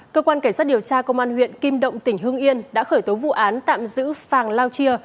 cơ quan cảnh sát điều tra công an huyện kim động tỉnh hưng yên đã khởi tố vụ án tạm giữ phàng lao chia